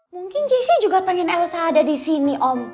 mungkin jessi juga pengen elsa ada di sini om